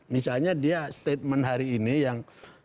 misalnya dia statement hari ini yang saya quote